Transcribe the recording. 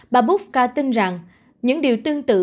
bà bufka tin rằng những điều tương tự